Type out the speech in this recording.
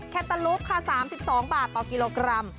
แตลูปค่ะ๓๒บาทต่อกิโลกรัม